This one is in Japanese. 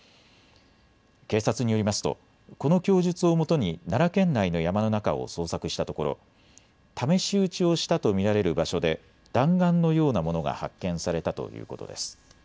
警察によりますとこの供述をもとに奈良県内の山の中を捜索したところ、試し撃ちをしたと見られる場所で弾丸のようなものが発見されたということです。